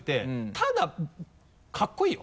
ただかっこいいよ。